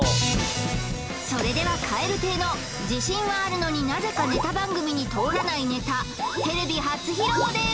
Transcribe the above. それでは蛙亭の自信はあるのになぜかネタ番組に通らないネタテレビ初披露です！